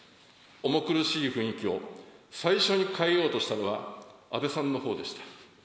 重苦しい雰囲気を最初に変えようとしたのは安倍さんのほうでした。